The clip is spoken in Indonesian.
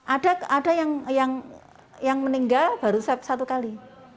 ada yang meninggal baru satu kali